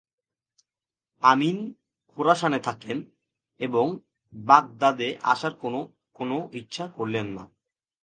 আমিন খোরাসানে থাকেন এবং বাগদাদে আসার কোনো কোনো ইচ্ছা করলেন না।